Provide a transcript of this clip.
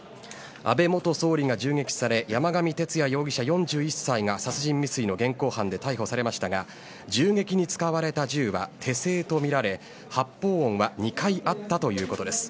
安倍元総理が銃撃され山上徹也容疑者、４１歳が殺人未遂の現行犯で逮捕されましたが銃撃に使われた銃は手製とみられ発砲音は２回あったということです。